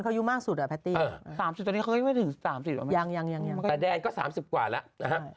๓๐ตอนนี้เคยไม่ถึง๓๐หรอมั้ยยังแต่แดนก็๓๐กว่าแล้วนะฮะ